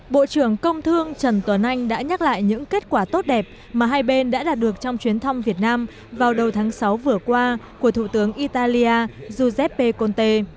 bộ trưởng công thương trần tuấn anh đã nhắc lại những kết quả tốt đẹp mà hai bên đã đạt được trong chuyến thăm việt nam vào đầu tháng sáu vừa qua của thủ tướng italia giuseppe conte